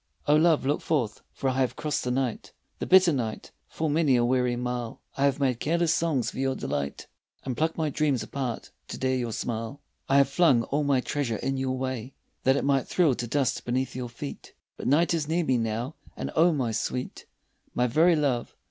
Oh, love I look forth, for I have crossed the night, The bitter night, full many a weary mile, I have made careless songs for your delight And plucked my dreams apart to dare your smile. 25 TO DOROTHY I have flung all my treasure in your way That it might thrill to dust beneath your feet, But night is near me now, and, oh, my sweet, My very love